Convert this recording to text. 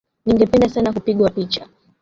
Ningependa sana kupigwa picha.